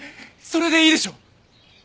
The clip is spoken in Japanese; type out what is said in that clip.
それでいいでしょ？